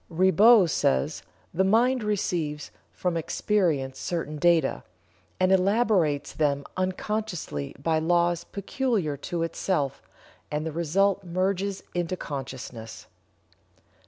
Ribot says: "The mind receives from experience certain data, and elaborates them unconsciously by laws peculiar to itself, and the result merges into consciousness."